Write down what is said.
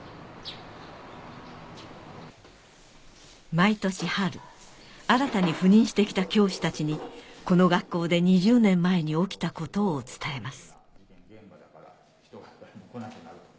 毎年春新たに赴任して来た教師たちにこの学校で２０年前に起きたことを伝えます